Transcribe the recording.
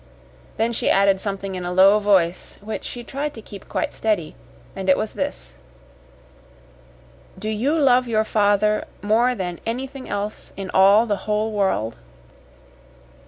Then she added something in a low voice which she tried to keep quite steady, and it was this: "Do you love your father more than anything else in all the whole world?"